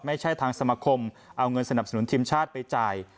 ไม่ใช่ทางสมาคมเอาเงินสนับสนุนทีมชาติไปจ่าย